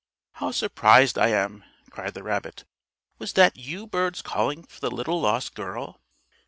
How surprised I am!" cried the rabbit. "Was that you birds calling for the little lost girl?"